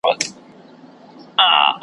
رسمي کار نظم غواړي.